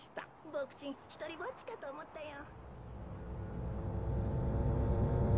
ボクちんひとりぼっちかとおもったよ。